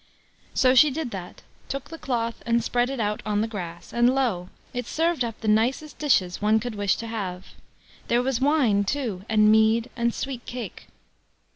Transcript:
So she did that, took the cloth and spread it out on the grass, and lo! it served up the nicest dishes one could wish to have; there was wine too, and mead, and sweet cake.